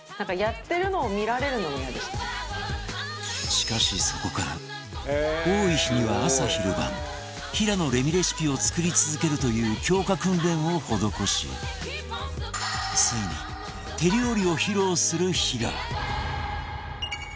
しかしそこから多い日には朝昼晩平野レミレシピを作り続けるという強化訓練を施しついに手料理を披露する日が！